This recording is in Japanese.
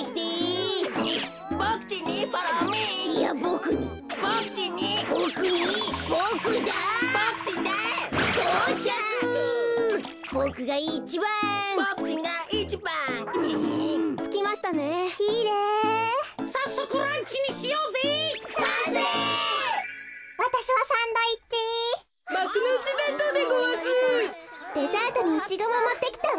デザートにイチゴももってきたわ。